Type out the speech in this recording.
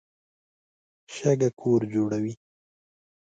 شګه کور جوړوي.